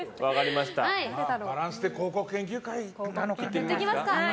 バランスで広告研究会なのかな。